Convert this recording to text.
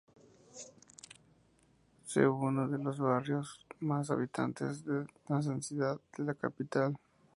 Se uno de los barrios con más habitantes y más densidad de la capital.